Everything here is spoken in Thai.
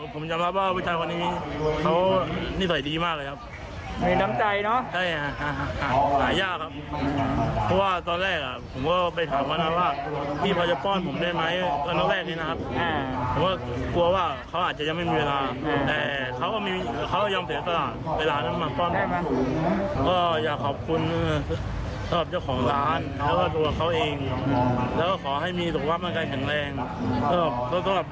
ผมยังรับว่าวิทยาลัยควรนี้เขานิสัยดีมากเลยครับ